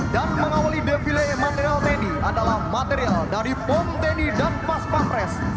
dan mengawali defile material tni adalah material dari pom tni dan pas pampres